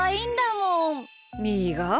みーが？